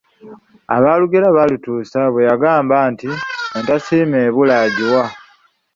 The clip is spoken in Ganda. Abaalugera baalutuusa bwe baagamba nti, entasiima ebula agiwa.